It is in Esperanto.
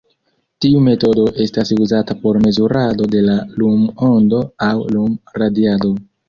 Tiu metodo estas uzata por mezurado de la lum-ondo aŭ lum-radiado.